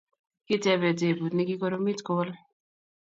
Kitebe tebut nikikoromit kowol